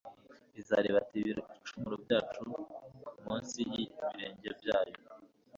"Izaribatira ibicumuro byacu munsi y'ibirenge byayo,